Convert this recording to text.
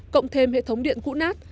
cộng thêm hệ thống điện cũ nát